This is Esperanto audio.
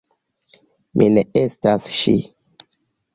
Mi ne estas ŝi.